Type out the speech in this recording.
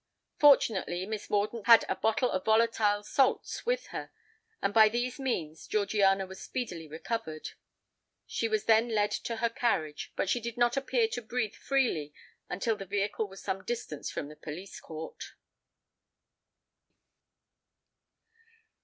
Fortunately, Miss Mordaunt had a bottle of volatile salts with her; and by these means Georgiana was speedily recovered. She was then led to her carriage; but she did not appear to breathe freely until the vehicle was some distance from the police court.